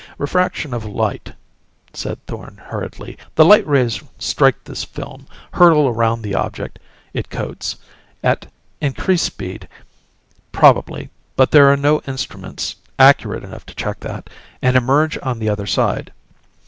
"Refraction of light," said Thorn hurriedly. "The light rays strike this film, hurtle around the object, it coats at increased speed, probably, but there are no instruments accurate enough to check that and emerge on the other side.